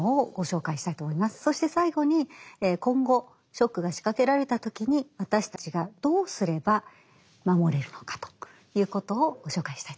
そして最後に今後ショックが仕掛けられた時に私たちがどうすれば守れるのかということをご紹介したいと思います。